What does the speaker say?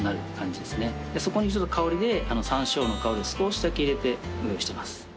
そこにちょっと香りで山椒の香りを少しだけ入れてご用意してます。